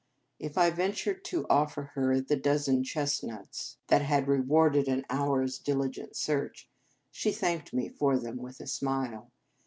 If I ventured to offer her the dozen chestnuts that had rewarded 222 The Game of Love an hour s diligent search, she thanked me for them with a smile.